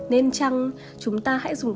nên chăng chúng ta hãy dùng